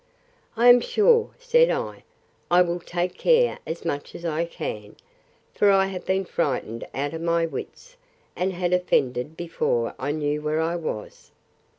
I am sure, said I, I will take care as much as I can; for I have been frightened out of my wits, and had offended, before I knew where I was.